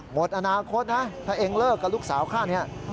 หมดอนาคตนะถ้าเองเลิกกับลูกสาวค่านี้